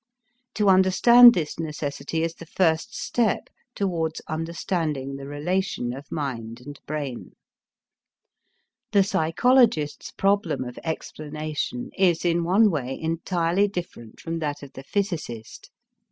To understand this necessity is the first step towards understanding the relation of mind and brain. The psychologist's problem of explanation is in one way entirely different from that of the physicist.